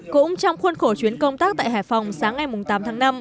cũng trong khuôn khổ chuyến công tác tại hải phòng sáng ngày tám tháng năm